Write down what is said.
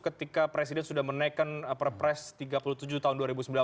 ketika presiden sudah menaikkan perpres tiga puluh tujuh tahun dua ribu sembilan belas